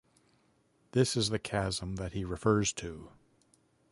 This is the chasm that he refers to.